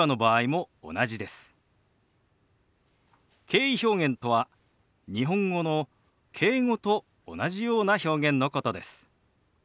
敬意表現とは日本語の「敬語」と同じような表現のことです。